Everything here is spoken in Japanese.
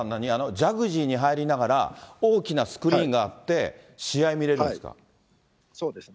ジャグジーに入りながら、大きなスクリーンがあって、試合見れるんですか？